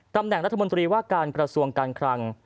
ตำแหน่งรัฐมนตรีว่าการกระทรวงการคลัง